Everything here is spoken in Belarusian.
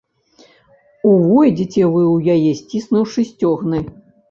Увойдзеце вы ў яе, сціснуўшы сцёгны.